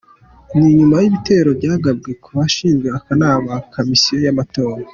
Ni nyuma y’ibitero byagabwe ku bashinzwe akanama ka Komisiyo y’Amatora.